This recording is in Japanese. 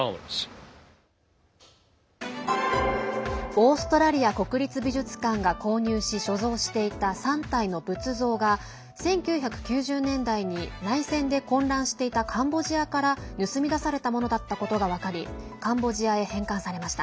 オーストラリア国立美術館が購入し所蔵していた３体の仏像が１９９０年代に内戦で混乱していたカンボジアから盗み出されたものだったことが分かりカンボジアへ返還されました。